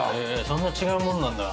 そんな違うもんなんだ。